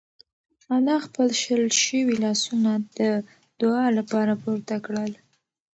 انا خپل شل شوي لاسونه د دعا لپاره پورته کړل.